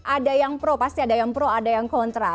ada yang pro pasti ada yang pro ada yang kontra